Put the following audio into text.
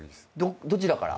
どちらから？